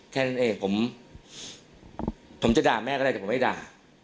แค่นั้นเองผมจะด่าแม่ก็ได้แต่ผมไม่ด่า